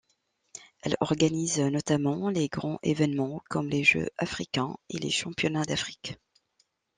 Elle organise notamment les grands évènements comme les jeux africains et les championnats d’Afrique.